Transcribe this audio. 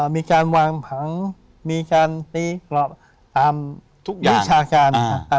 มีการวางผังมีการตีตามวิชาการ